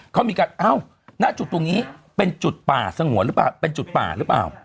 เขามีการเอ้าหน้าจุดตรงนี้เป็นจุดป่าสงวนหรือเปล่าเป็นจุดป่าหรือเปล่า